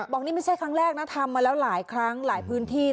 บอกนี่ไม่ใช่ครั้งแรกนะทำมาแล้วหลายครั้งหลายพื้นที่